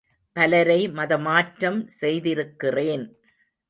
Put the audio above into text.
பலரை மதமாற்றம் செய்திருக்கிறேன்.